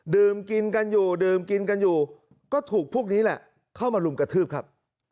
ดื่มกินกันอยู่ดื่มกินกันอยู่ก็ถูกพวกนี้แหละเข้ามาลุมกระทืบครับ